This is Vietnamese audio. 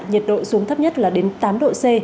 nhiệt độ xuống thấp nhất là đến tám độ c